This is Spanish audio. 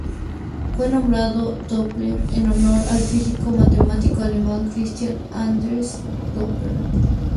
Fue nombrado Doppler en honor al físico y matemático alemán Christian Andreas Doppler.